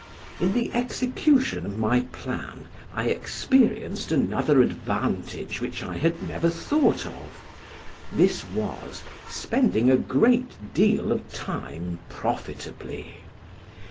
In the execution of my plan, I experienced another advantage which I had never thought of; this was, spending a great deal of time profitably.